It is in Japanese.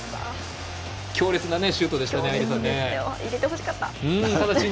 強烈なシュートでしたね。